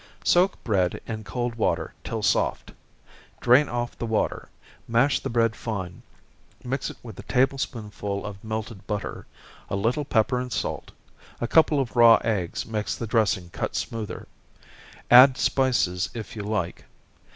_ Soak bread in cold water till soft drain off the water, mash the bread fine, mix it with a table spoonful of melted butter, a little pepper and salt a couple of raw eggs makes the dressing cut smoother add spices if you like.